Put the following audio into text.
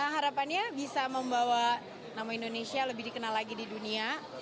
harapannya bisa membawa nama indonesia lebih dikenal lagi di dunia